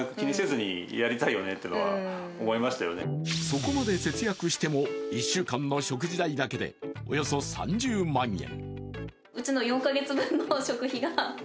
そこまで節約しても１週間の食事代だけで、およそ３０万円。